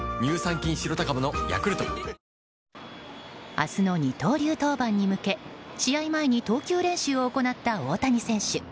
明日の二刀流登板に向け試合前に投球練習を行った大谷選手。